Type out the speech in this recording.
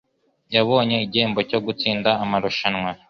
Yabonye igihembo cyo gutsinda amarushanwa.